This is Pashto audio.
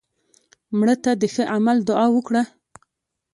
مړه ته د ښه عمل دعا وکړه